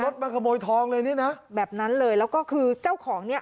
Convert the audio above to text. มาขโมยทองเลยนี่นะแบบนั้นเลยแล้วก็คือเจ้าของเนี้ย